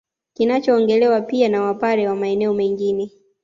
Kinachoongelewa pia na Wapare wa maeneo mengine